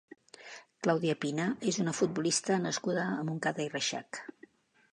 Claudia Pina és una futbolista nascuda a Montcada i Reixac.